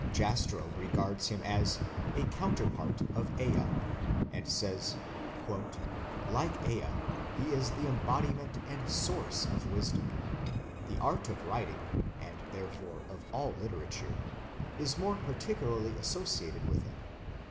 Jastrow regards him as "a counterpart of Ea", and says: "Like Ea, he is the embodiment and source of wisdom. The art of writing and therefore of all literature is more particularly associated with him.